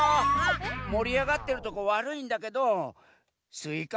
もりあがってるとこわるいんだけどスイカ